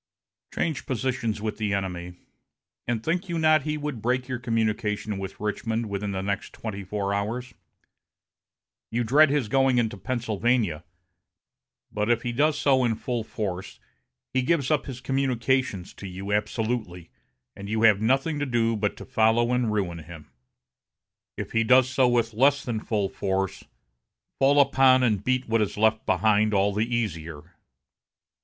Change positions with the enemy, and think you not he would break your communication with Richmond within the next twenty four hours? You dread his going into Pennsylvania, but if he does so in full force, he gives up his communications to you absolutely, and you have nothing to do but to follow and ruin him. If he does so with less than full force, fall upon and beat what is left behind all the easier.